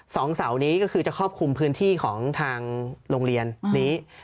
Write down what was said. เสานี้ก็คือจะครอบคลุมพื้นที่ของทางโรงเรียนนี้